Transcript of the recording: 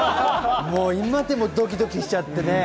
今でもドキドキしちゃってね。